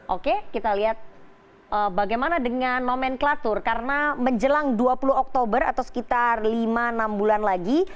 oke kita lihat bagaimana dengan nomenklatur karena menjelang dua puluh oktober atau sekitar lima enam bulan lagi